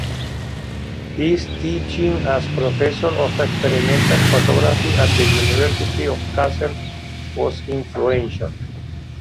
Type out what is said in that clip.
His teaching as Professor of Experimental Photography at the University of Kassel was influential.